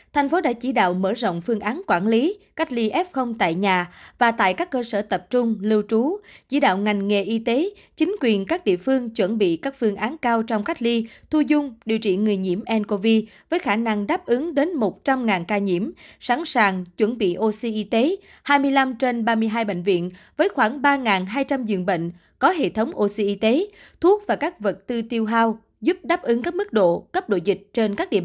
thành phố đã chỉ đạo mở rộng phương án quản lý cách ly f tại nhà và tại các cơ sở tập trung lưu trú chỉ đạo ngành nghề y tế chính quyền các địa phương chuẩn bị các phương án cao trong cách ly thu dung điều trị người nhiễm ncov với khả năng đáp ứng đến một trăm linh ca nhiễm sẵn sàng chuẩn bị oxy y tế hai mươi năm trên ba mươi hai bệnh viện với khoảng ba hai trăm linh dường bệnh có hệ thống oxy y tế thuốc và các vật tư tiêu hao giúp đáp ứng các mức độ cấp độ dịch trên các địa bàn